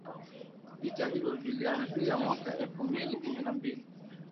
Vita hivyo vilianza mwaka elfu mbili kumi na mbili